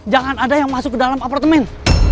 jangan ada yang masuk ke dalam apartemen